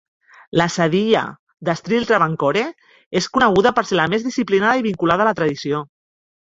La sadhya d'estil travancore és coneguda per ser la més disciplinada i vinculada a la tradició.